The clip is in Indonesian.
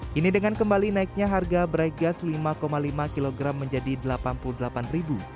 kini dengan kembali naiknya harga bright gas lima lima kg menjadi rp delapan puluh delapan